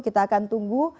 kita akan tunggu